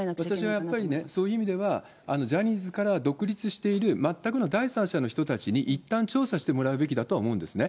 私はやっぱりね、そういう意味ではジャニーズからは独立している全くの第三者の人たちにいったん調査してもらうべきだとは思うんですね。